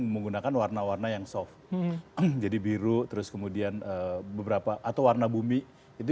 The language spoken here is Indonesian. menggunakan warna warna yang soft jadi biru terus kemudian beberapa atau warna bumi itu